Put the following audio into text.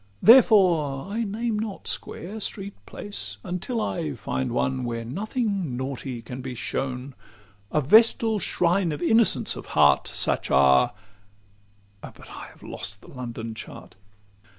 Therefore I name not square, street, place, until I Find one where nothing naughty can be shown, A vestal shrine of innocence of heart: Such are but I have lost the London Chart.